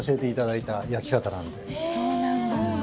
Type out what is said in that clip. そうなんだ。